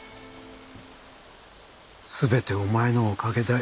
すべてお前のおかげだよ